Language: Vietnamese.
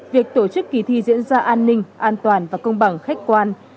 việc tổ chức kỳ thi diễn ra an ninh an toàn và công bằng khách quan